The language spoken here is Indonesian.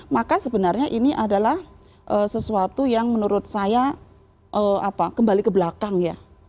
maka sebenarnya ini adalah sesuatu yang menurut saya kembali ke belakang ya